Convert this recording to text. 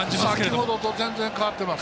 先ほどと全然、変わってます。